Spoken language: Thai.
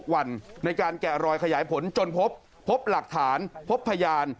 วันในการแกะรอยขยายผลจนพบหลักฐานพบพยาน